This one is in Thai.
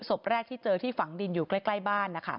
ศพแรกที่เจอที่ฝังดินอยู่ใกล้บ้าน